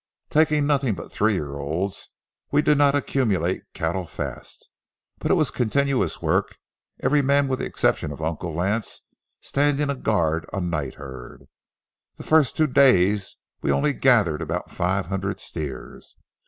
Taking nothing but three year olds, we did not accumulate cattle fast; but it was continuous work, every man, with the exception of Uncle Lance, standing a guard on night herd. The first two days we only gathered about five hundred steers.